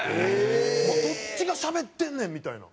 もうどっちがしゃべってんねんみたいな。